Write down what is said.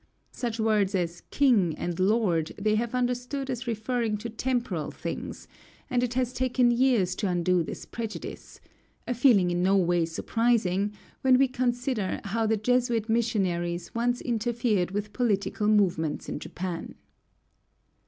Such words as "King" and "Lord" they have understood as referring to temporal things, and it has taken years to undo this prejudice; a feeling in no way surprising when we consider how the Jesuit missionaries once interfered with political movements in Japan.